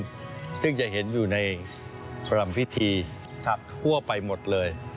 เป็นไม้พุ่มซึ่งจะเห็นอยู่ในพรรมพิธีทั่วไปหมดเลย